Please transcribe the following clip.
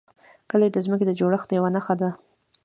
کلي د ځمکې د جوړښت یوه نښه ده.